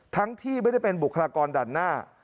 ทั้งที่ไม่ได้เป็นบุคลากรด่านหน้า